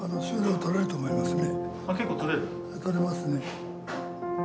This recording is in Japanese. とれますね。